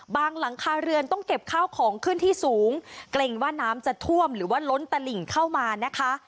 หลังคาเรือนต้องเก็บข้าวของขึ้นที่สูงเกรงว่าน้ำจะท่วมหรือว่าล้นตลิ่งเข้ามานะคะ